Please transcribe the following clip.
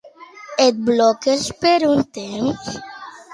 Et bloques per un temps?